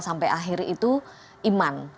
sampai akhir itu iman